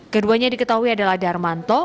keduanya diketahui adalah darmanto